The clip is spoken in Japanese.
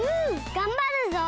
がんばるぞ！